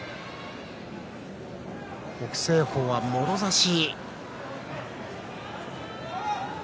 北青鵬は、もろ差し。